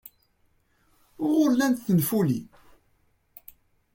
Wuɣur llant tenfulin?